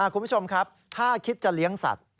คุณผู้ชมครับถ้าคิดจะเลี้ยงสัตว